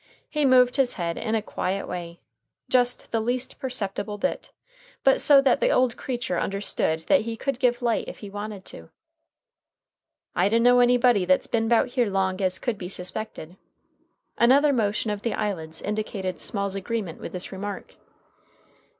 He moved his head in a quiet way, just the least perceptible bit, but so that the old creature understood that he could give light if he wanted to. "I dunno anybody that's been 'bout here long as could be suspected." Another motion of the eyelids indicated Small's agreement with this remark.